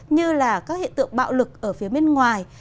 như là các hiện tượng bạo lực ở phía bên ngoài